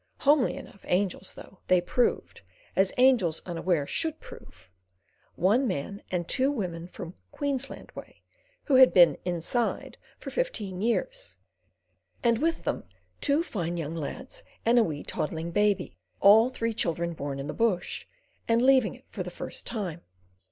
Homely enough angels, though, they proved, as angels unaware should prove: one man and two women from "Queensland way," who had been "inside" for fifteen years, and with them two fine young lads and a wee, toddling baby—all three children born in the bush and leaving it for the first time.